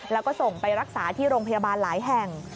แล้วก็ส่งไปรักษาที่โรงพยาบาลหลายแห่ง